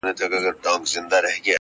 د تصویر پښتو ته ولوېدم په خیال کي،